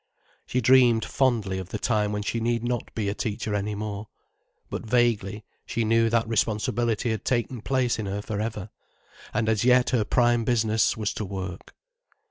She dreamed fondly of the time when she need not be a teacher any more. But vaguely, she knew that responsibility had taken place in her for ever, and as yet her prime business was to work.